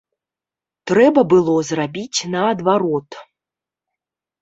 Трэба было зрабіць наадварот.